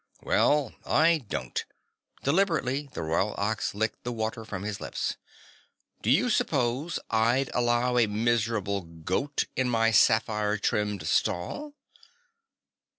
"Well, I don't." Deliberately the Royal Ox licked the water from his lips. "Do you suppose I'd allow a miserable goat in my sapphire trimmed stall?"